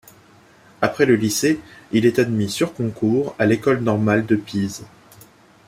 Après le lycée, il est admis, sur concours, à l'École normale de Pise.